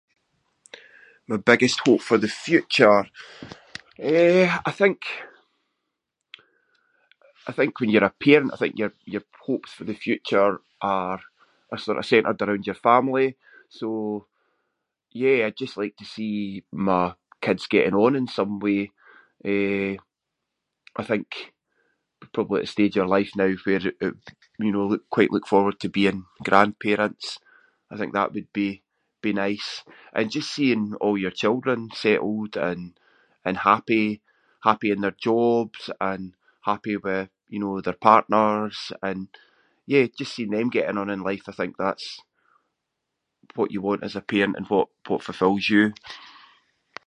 My biggest hope for the future? Eh, I think- I think when you’re a parent, I think your- your hopes for the future are- are sort of centred around your family, so yeah, I’d just like to see my kids getting on in some way. Eh, I think we’re probably at the stage of our life now where, you know, we quite look forward to being grandparents. I think that would be- be nice. And just seeing all your children settled and- and happy. Happy in their jobs and happy with, you know, their partners, and yeah, just seeing them getting on in life- I think that’s what you want as a parent and what- what fulfils you.